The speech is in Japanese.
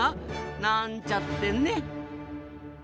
なんちゃってね。